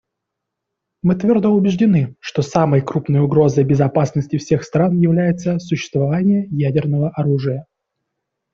Мы твердо убеждены, что самой крупной угрозой безопасности всех стран является существование ядерного оружия.